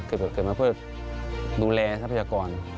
เกิดมาเพื่อดูแลทรัพยากร